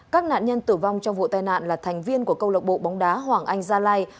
các nạn nhân tử vong trong vụ tai nạn là thành viên của câu lộc bộ bóng đá hoàng anh gia lai